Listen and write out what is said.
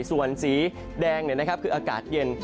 ส่วนสีแดงเนี่ยนะครับคืออากาศเย็น